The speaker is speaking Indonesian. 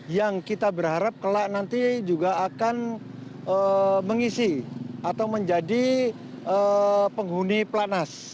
yang kita berharap kelak nanti juga akan mengisi atau menjadi penghuni pelanas